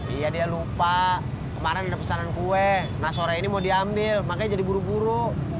iya dia lupa kemarin ada pesanan kue nah sore ini mau diambil makanya jadi buru buru